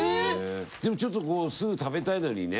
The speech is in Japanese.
でもちょっとすぐ食べたいのにね